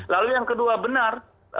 lalu yang kedua benar